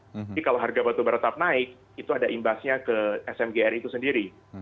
jadi kalau harga batubara tetap naik itu ada imbasnya ke smgr itu sendiri